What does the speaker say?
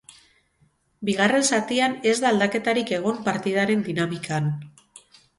Bigarren zatian ez da aldaketarik egon partidaren dinamikan.